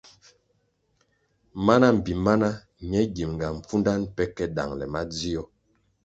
Mana mbpi mana ñe gimʼnga pfundanʼ pe ke dangʼle madzio.